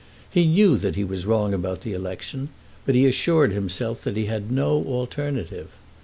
He knew that he was wrong about the election, but he assured himself that he had had no alternative.